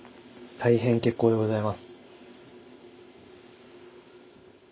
大変結構でございます。